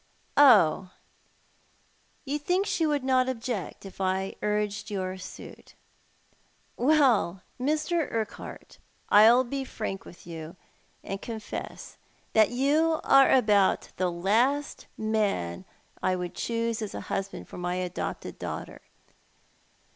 " Oh, you think she would not object if I urged your suit. Well, Mr. Urquhart, I'll be frank with you, and confess that you are about the last man I would choose as a husband for my adopted daughter.